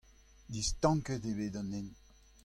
Distanket eo bet an hent.